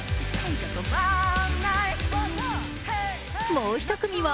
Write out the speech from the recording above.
もう一組は？